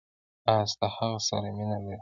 اس د هغه سره مینه کوله.